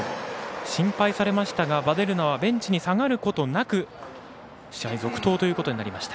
心配されましたがヴァデルナはベンチに下がることなく試合続投ということになりました。